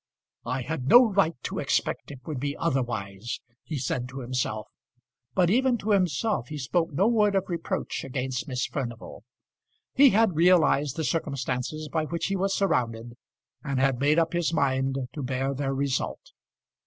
"I had no right to expect it would be otherwise," he said to himself. But even to himself he spoke no word of reproach against Miss Furnival. He had realised the circumstances by which he was surrounded, and had made up his mind to bear their result.